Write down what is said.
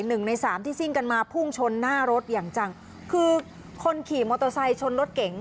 หนึ่งในสามที่ซิ่งกันมาพุ่งชนหน้ารถอย่างจังคือคนขี่มอเตอร์ไซค์ชนรถเก๋ง